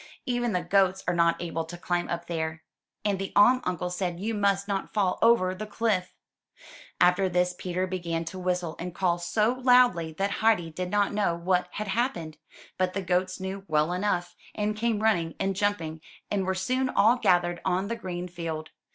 ''Even the goats are not able to climb up there, and the Aim uncle said you must not fall over the cliff/' After this Peter began to whistle and call so loudly that Heidi did not know what had happened; but the goats knew well enough, and came running and jumping, and were soon all gathered on the green field.